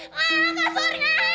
masa cuma gara gara suka